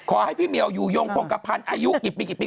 ขอให้พี่เมียวอยู่ยงคลมกระพันธ์อายุกี่ปีกิดปี